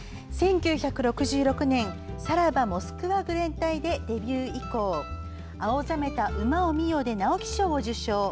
１９６６年「さらばモスクワ愚連隊」でデビュー以降「蒼ざめた馬を見よ」で直木賞を受賞。